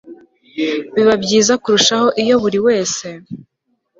biba byiza kurushaho iyo buri wese